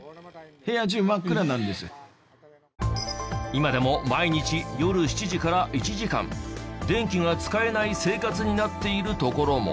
今でも毎日夜７時から１時間電気が使えない生活になっているところも。